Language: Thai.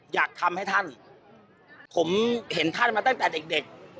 อยากทำให้ท่านผมเห็นท่านมาตั้งแต่เด็ก